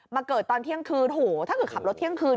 มาเกิดตอนเที่ยงคืนถ้าคือขับรถเที่ยงคืน